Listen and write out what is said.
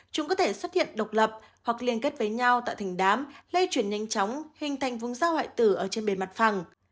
chúng có thể xuất hiện độc lập hoặc liên kết với nhau tạo thành đám lây chuyển nhanh chóng hình thành vùng dao hoại tử ở trên bề mặt phẳng